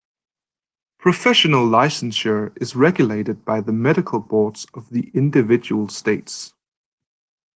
Professional licensure is regulated by the medical boards of the individual states.